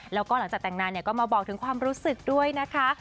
แล้วก็หลังจากแต่งงานก็มาบอกถึงความรู้สึกด้วยนะคะ